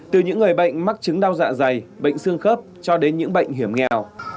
từ những người bệnh mắc chứng đau dạ dày bệnh xương khớp cho đến những bệnh hiểm nghèo